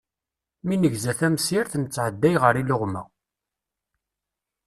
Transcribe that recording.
Mi negza tamsirt, nettɛedday ɣer yiluɣma.